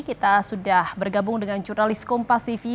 kita sudah bergabung dengan jurnalis kompas tv